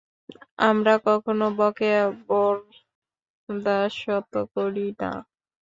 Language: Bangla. আমরা কখনও বকেয়া বরদাশত করি না!